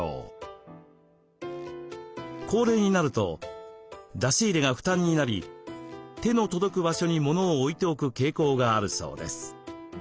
高齢になると出し入れが負担になり手の届く場所に物を置いておく傾向があるそうです。